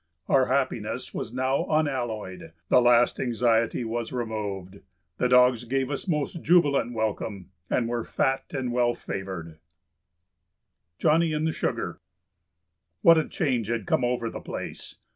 Our happiness was now unalloyed; the last anxiety was removed. The dogs gave us most jubilant welcome and were fat and well favored. [Sidenote: Johnny and the Sugar] What a change had come over the place!